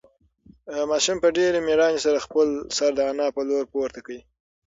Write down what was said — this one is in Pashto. ماشوم په ډېرې مېړانې سره خپل سر د انا په لور پورته کړ.